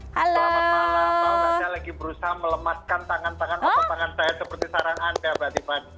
halo selamat malam saya lagi berusaha melemaskan tangan tangan otot tangan saya seperti sarang anda mbak timan